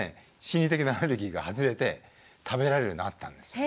心理的なアレルギーが外れて食べられるようになったんです。